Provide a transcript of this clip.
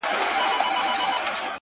o زما د زړه ډېوه روښانه سي ـ